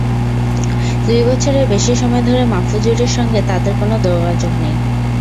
দুই বছরের বেশি সময় ধরে মাহফুজুরের সঙ্গে তাঁদের কোনো যোগাযোগ নেই।